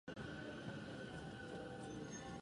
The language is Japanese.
私はチャミスルマスカット味が好き